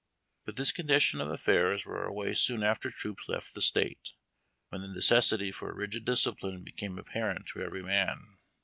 But this condition of affairs wore away soon after troops left the State, when the necessity for rigid discipline became apparent to every man.